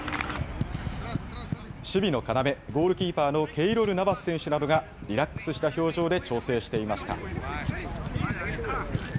守備の要、ゴールキーパーのケイロル・ナバス選手などがリラックスした表情で調整していました。